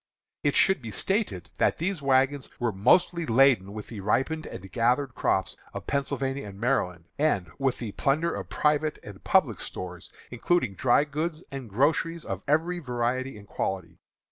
It should be stated that these wagons were mostly laden with the ripened and gathered crops of Pennsylvania and Maryland, and with the plunder of private and public stores, including dry goods and groceries of every variety and quality.